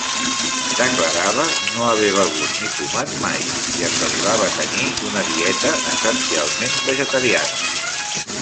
Declarava no haver begut ni fumat mai, i assegurava tenir una dieta essencialment vegetariana.